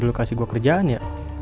dulu kasih gue kerjaan ya